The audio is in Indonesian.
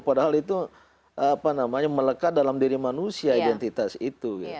padahal itu melekat dalam diri manusia identitas itu